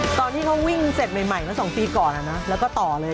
ตอนที่เขาวิ่งเสร็จใหม่มา๒ปีก่อนแล้วก็ต่อเลย